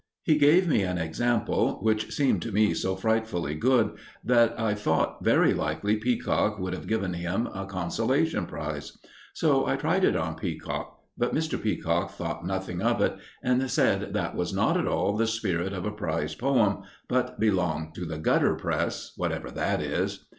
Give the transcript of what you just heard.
He gave me an example, which seemed to me so frightfully good that I thought very likely Peacock would have given him a consolation prize. So he tried it on Peacock; but Mr. Peacock thought nothing of it, and said that was not at all the spirit of a prize poem, but belonged to the gutter press, whatever that is.